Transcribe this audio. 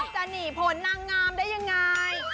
จะหนีผลนางงามได้ยังไง